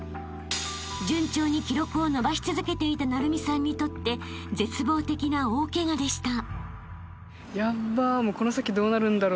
［順調に記録を伸ばし続けていた晟弓さんにとって絶望的な大ケガでした］